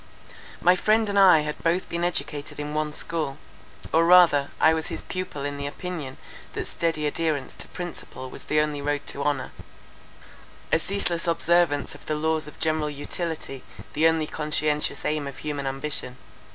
My friend and I had both been educated in one school, or rather I was his pupil in the opinion, that steady adherence to principle was the only road to honour; a ceaseless observance of the laws of general utility, the only conscientious aim of human ambition.